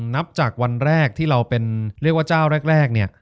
นับจากวันแรกที่เราเป็นเรียกว่าเจ้าแรกเนี่ย